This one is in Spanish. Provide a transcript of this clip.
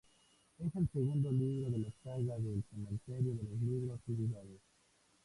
Es el segundo libro de la saga del "Cementerio de los libros olvidados".